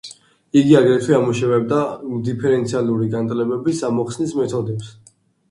იგი აგრეთვე ამუშავებდა დიფერენციალური განტოლებების ამოხსნის მეთოდებს.